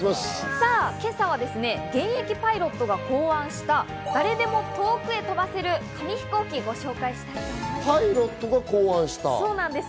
今朝は現役パイロットが考案した、誰でも遠くへ飛ばせる紙ひこうきをご紹介します。